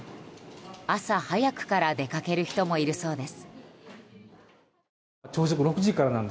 朝早くから出かける人もいるそうです。